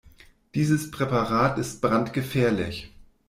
Dieses Präparat ist brandgefährlich.